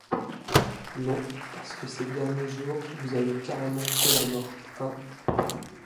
Non parce que ces derniers jours, vous avez carrément fait la morte, hein ?